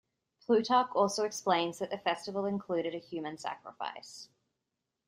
Plutarch also explains that the festival included a human sacrifice.